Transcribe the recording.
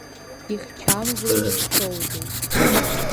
Ихьчамзеи, ихьчоузеи?